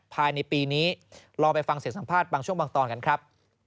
ภายในปีนี้ลองไปฟังเสียงสัมภาษณ์บางช่วงบางตอนกันครับ